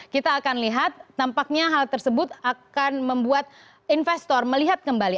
kita akan lihat tampaknya hal tersebut akan membuat investor melihat kembali